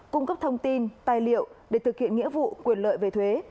cung cấp thông tin tài liệu để thực hiện nghĩa vụ quyền lợi về thuế